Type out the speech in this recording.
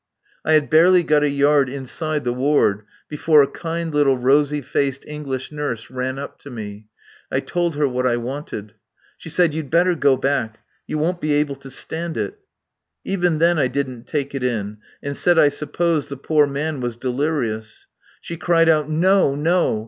I had barely got a yard inside the ward before a kind little rosy faced English nurse ran up to me. I told her what I wanted. She said, "You'd better go back. You won't be able to stand it." Even then I didn't take it in, and said I supposed the poor man was delirious. She cried out, "No! No!